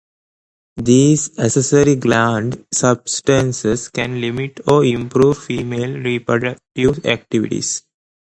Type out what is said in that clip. These accessory gland substances can limit or improve female reproductive activities.